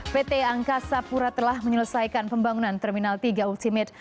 pt angkasa pura telah menyelesaikan pembangunan terminal tiga ultimate